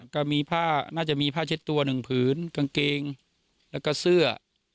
ก็น่าจะมีผ้าเช็ดตัว๑ผลกางเกงและก็เสื้อ